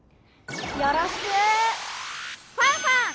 よろしくファンファン！